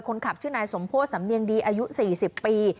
คนขับชื่อนายสมโพธิสำเนียงดีอายุ๔๐ปี